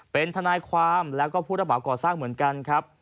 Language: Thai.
เป็นทนายความแล้วก็ผู้ระเหมาก่อสร้างเหมือนกันครับ